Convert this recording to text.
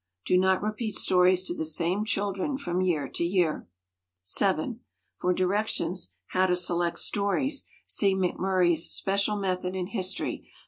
Do not repeat stories to the same children from year to year. 7. For directions "How to Select Stories," see McMurry's "Special Method in History," pp.